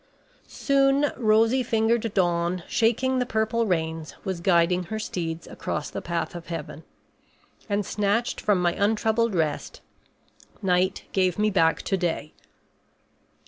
Soon rosy fingered Dawn, shaking the purple reins, was guiding her steeds across the path of heaven; and, snatched from my untroubled rest, night gave me back to day.